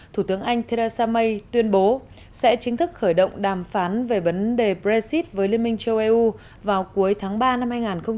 thủ tướng anh theresa may tuyên bố sẽ chính thức khởi động đàm phán về vấn đề brexit với liên minh châu eu vào cuối tháng ba năm hai nghìn hai mươi